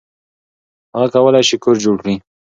هغه کولی شي کور جوړ کړي.